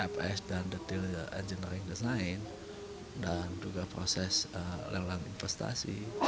fs dan detail engineering design dan juga proses lelang investasi